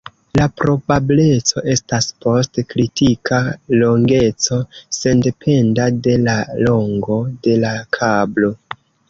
La probableco estas post kritika longeco sendependa de la longo de la kablo.